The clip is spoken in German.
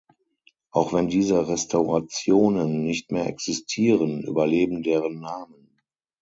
Auch wenn diese Restaurationen nicht mehr existieren, überleben deren Namen.